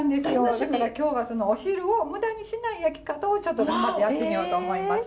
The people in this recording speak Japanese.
だから今日はそのお汁を無駄にしない焼き方を頑張ってやってみようと思いますので。